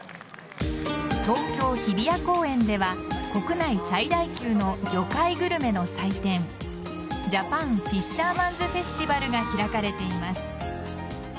東京・日比谷公園では国内最大級の魚介グルメの祭典ジャパンフィッシャーマンズフェスティバルが開かれています。